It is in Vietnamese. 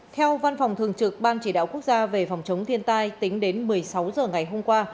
theo văn phòng thường trực ban chỉ đạo quốc gia về phòng chống thiên tai tính đến một mươi sáu h ngày hôm qua